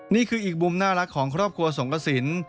นี่คืออีกมุมน่ารักของครอบครัวสงกระสิน